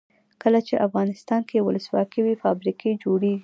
کله چې افغانستان کې ولسواکي وي فابریکې جوړیږي.